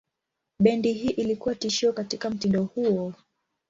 Bendi hii ilikuwa tishio katika mtindo huo.